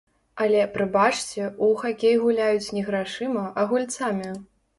Але, прабачце, у хакей гуляюць не грашыма, а гульцамі!